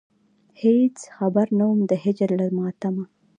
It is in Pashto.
هېڅ خبر نه وم د هجر له ماتمه.